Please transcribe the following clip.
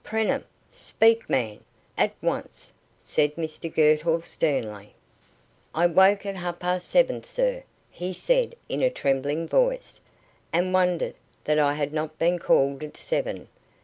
"Preenham! Speak, man! At once!" said Mr Girtle, sternly. "I woke at half past seven, sir," he said, in a trembling voice, "and wondered that I had not been called at seven.